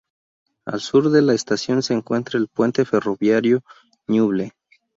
Al sur de la estación se encuentra el Puente Ferroviario Ñuble.